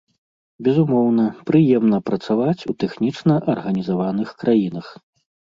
Безумоўна, прыемна працаваць у тэхнічна арганізаваных краінах.